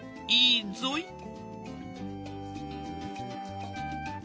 いいぞい。